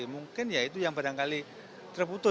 mungkin ya itu yang barangkali terputus